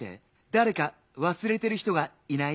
だれかわすれてる人がいない？